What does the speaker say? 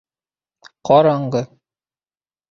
Ҡараңғы.